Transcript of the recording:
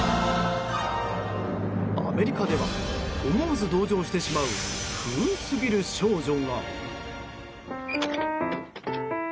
アメリカでは思わず同情してしまう不運すぎる少女が。